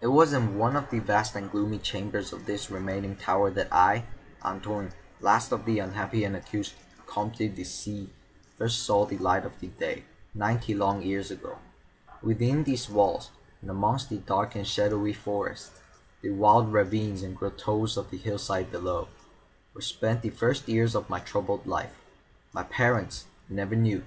It was in one of the vast and gloomy chambers of this remaining tower that I, Antoine, last of the unhappy and accursed Comtes de C——, first saw the light of day, ninety long years ago. Within these walls, and amongst the dark and shadowy forests, the wild ravines and grottoes of the hillside below, were spent the first years of my troubled life. My parents I never knew.